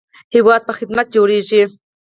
هیواد په خدمت جوړیږي